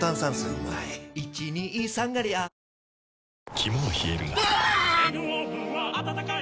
肝は冷えるがうわ！